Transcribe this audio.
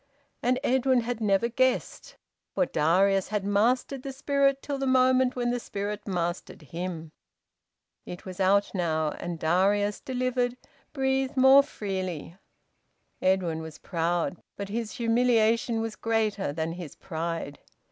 And Edwin had never guessed, for Darius had mastered the spirit till the moment when the spirit mastered him. It was out now, and Darius, delivered, breathed more freely. Edwin was proud, but his humiliation was greater than his pride.